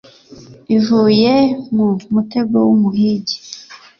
ivuye mu mutego w’umuhigi